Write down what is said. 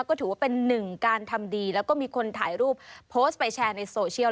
ก็ถือว่าเป็นหนึ่งการทำดีแล้วก็มีคนถ่ายรูปโพสต์ไปแชร์ในโซเชียล